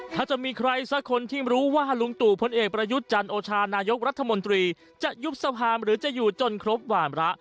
ถ้าจะมีใครสักคนที่รู้ว่าลุงตู่พลเอกประยุทธ์จันโอชานายกรัฐมนตรีจะยุบสภาหรือจะอยู่จนครบหวานระ